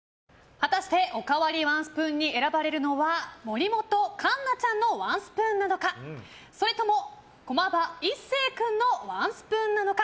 果たしておかわりワンスプーンに選ばれるのは森本栞奈ちゃんのワンスプーンなのかそれとも駒場壱晟君のワンスプーンなのか。